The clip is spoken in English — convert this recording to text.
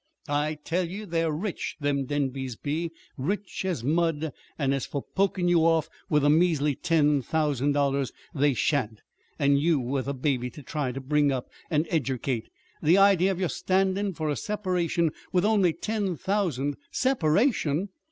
"I tell you they're rich them Denbys be rich as mud; and as for pokin' you off with a measly ten thousand dollars, they shan't and you with a baby ter try ter bring up and edyercate. The idea of your standin' for a separation with only ten thousand " "Separation!"